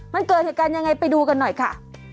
มันเกิดเหตุการณ์ยังไงไปดูกันหน่อยค่ะ